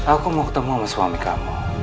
aku mau ketemu sama suami kamu